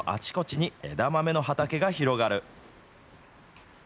山あいの町のあちこちに枝豆の畑が広がる。